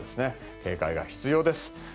警戒が必要です。